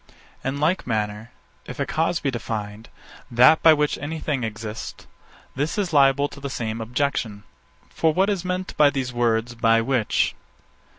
_ In like manner, if a cause be defined, that by which any thing exists; this is liable to the same objection. For what is meant by these words, _by which?